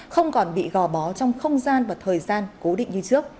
không còn bị gò bó trong không gian và thời gian cố định như trước